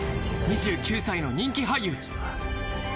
２９歳の人気俳優